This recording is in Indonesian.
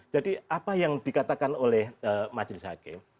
jadi apa yang dikatakan oleh majelis hakim